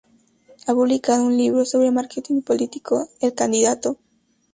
Ha publicado un libro sobre marketing político "El candidato.